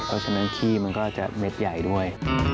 เพราะฉะนั้นขี้มันก็จะเม็ดใหญ่ด้วย